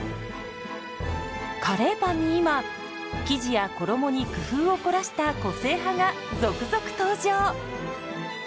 カレーパンに今生地や衣に工夫を凝らした個性派が続々登場！